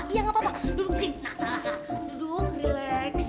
iya nggak apa apa duduk sini nah duduk relax